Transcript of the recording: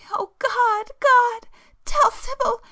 —oh God—God! Tell Sibyl!